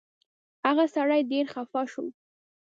هغه سړی ډېر خفه شو.